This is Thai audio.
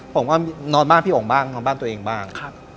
ผมก็นอนบ้านพี่โอ่งบ้างนอนบ้านตัวเองบ้าง